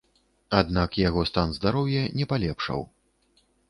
Аднак яго стан здароўя не палепшаў.